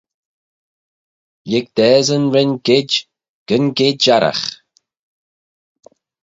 Lhig dasyn ren geid, gyn geid arragh.